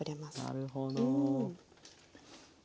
なるほど。